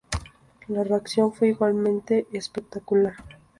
La reacción fue igualmente espectacular.